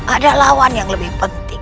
ada lawan yang lebih penting